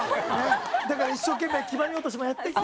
だから一生懸命黄ばみ落としもやってきて。